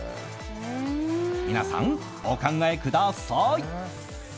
皆さん、お考えください。